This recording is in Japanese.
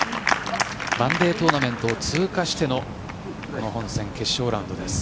マンデートーナメントを通過しての混戦決勝ラウンドです。